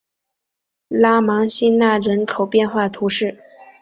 拉芒辛讷人口变化图示